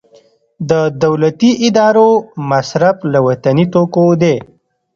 د دولتي ادارو مصرف له وطني توکو دی